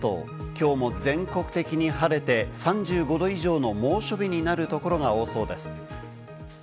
きょうも全国的に晴れて、３５℃以上の猛暑日になるところが多そうです。